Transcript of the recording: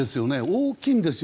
大きいんですよ